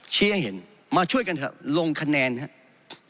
ชี้ให้เห็นมาช่วยกันเถอะลงคะแนนครับ